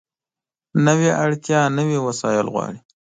نوې اړتیا نوي وسایل غواړي